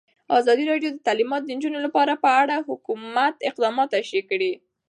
ازادي راډیو د تعلیمات د نجونو لپاره په اړه د حکومت اقدامات تشریح کړي.